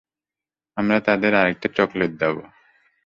আমরা তাদের আরেকটা চকলেট দেব।